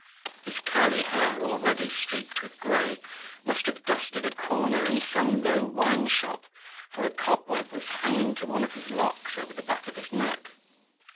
His curly hair, already streaked with grey, must have dusted a corner in some low wineshop, for a cobweb was hanging to one of his locks over the back of his neck.